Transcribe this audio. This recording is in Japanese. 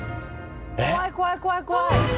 怖い怖い怖い怖い。